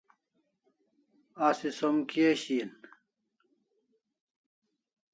Asi som kia shian?